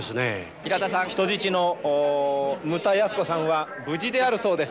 ひらたさん人質の牟田泰子さんは無事であるそうです。